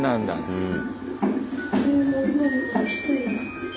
うん。